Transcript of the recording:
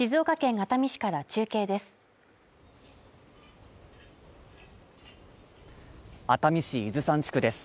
熱海市伊豆山地区です。